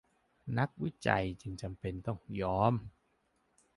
นักวิจัยจึงจำเป็นต้องยอม